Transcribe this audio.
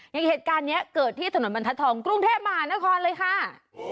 อย่างเหตุการณ์นี้เกิดที่ถนนบรรทัศน์ทองกรุงเทพมหานครเลยค่ะ